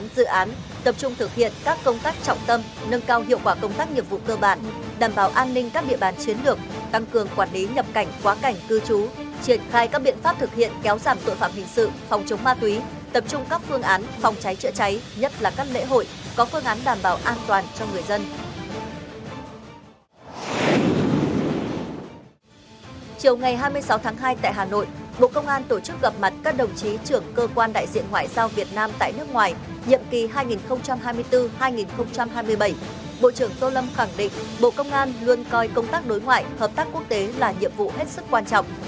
bộ trưởng tô lâm khẳng định bộ công an luôn coi công tác đối ngoại hợp tác quốc tế là nhiệm vụ hết sức quan trọng